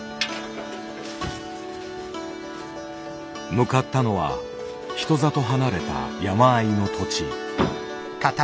向かったのは人里離れた山あいの土地。